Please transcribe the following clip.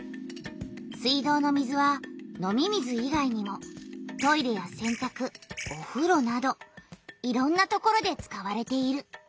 水道の水は飲み水いがいにもトイレやせんたくおふろなどいろんなところで使われている。